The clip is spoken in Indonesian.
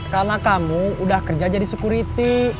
karena kamu udah kerja jadi security